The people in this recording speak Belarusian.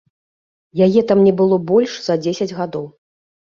Яе там не было больш за дзесяць гадоў.